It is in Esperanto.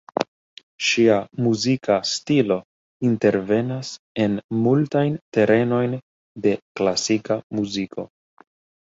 Ŝia muzika stilo intervenas en multajn terenojn de klasika muziko.